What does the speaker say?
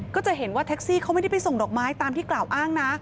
ก็จะเห็นว่าแท็กซี่เขาไม่ได้ไปส่งดอกไม้ตามที่กล่าวอ้างนะ